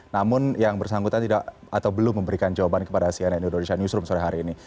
namun yang bersangkutan tidak atau belum memberikan jawaban kepada cnn indonesia newsroom sore hari ini